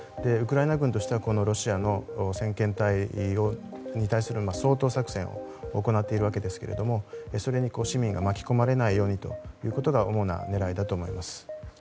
ウクライナ軍としてはロシアの先遣隊に対する掃討作戦を行っているわけですけれどもそれに市民が巻き込まれないようにというのが主な狙いだと思います。